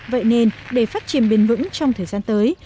vậy nên để phát triển bền vững trong thời gian tới